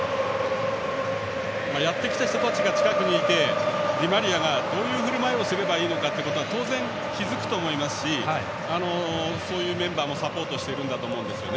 やってきた人たちが近くにいてディマリアがどういうふるまいをすればいいのかというのは当然、気付くと思いますしそういうメンバーもサポートしているんだと思います。